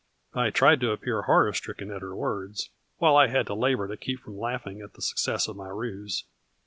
I tried to appear horror stricken at her words, while I had to labor to keep from laughing at the success of my ruse.